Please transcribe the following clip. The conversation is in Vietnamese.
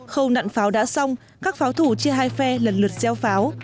khâu nạn pháo đã xong các pháo thủ chia hai phe lần lượt gieo pháo